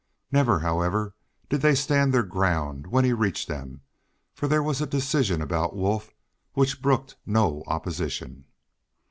Never, however, did they stand their ground when he reached them, for there was a decision about Wolf which brooked no opposition.